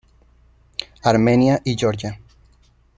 Armenia y Georgia.